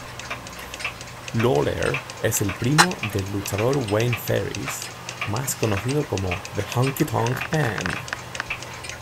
Lawler es primo del luchador Wayne Ferris, más conocido como The Honky Tonk Man.